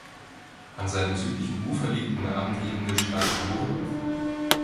An seinem südlichen Ufer liegt die namengebende Stadt Murten.